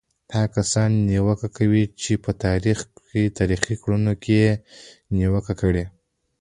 هغه کسان نیوکه کوي چې په تاریخي کړنو کې یې نیوکه کړې.